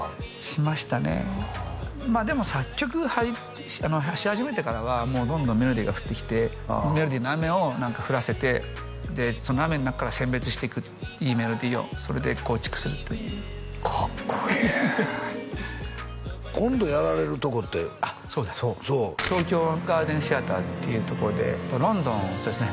しましたねでも作曲し始めてからはどんどんメロディーが降ってきてメロディーの雨を降らせてでその雨の中から選別していくいいメロディーをそれで構築するというかっこいい今度やられるとこってあっそうだ東京ガーデンシアターっていうところでロンドンそうですね